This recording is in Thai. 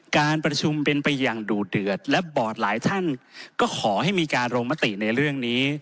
การประชุมเป็นไปอย่างดูดเดือดและบอร์ดหลายท่านก็ขอให้มีการลงมติในเรื่องนี้